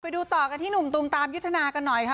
ไปดูต่อกันที่หนุ่มตูมตามยุทธนากันหน่อยค่ะ